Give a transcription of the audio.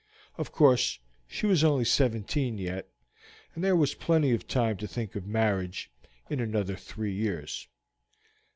Of course she was only seventeen yet, and there was plenty of time to think of marriage in another three years.